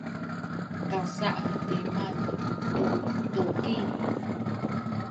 kasa’timan tu tuki